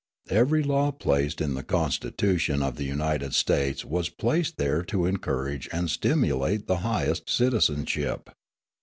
Every law placed in the Constitution of the United States was placed there to encourage and stimulate the highest citizenship.